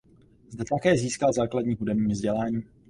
Zde také získal základní hudební vzdělání.